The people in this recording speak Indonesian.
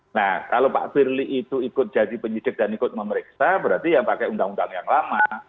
nah kalau pak firly itu ikut jadi penyidik dan ikut memeriksa berarti ya pakai undang undang yang lama